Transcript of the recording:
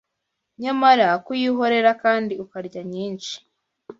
Nyamara, kuyihorera kandi ukarya nyinshi